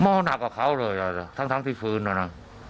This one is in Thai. เมาหนักกว่าเค้าเลยอะทั้งที่ฟืนอะน่ะ